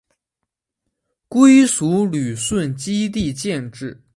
归属旅顺基地建制。